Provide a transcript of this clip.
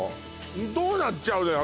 どうなっちゃうのよ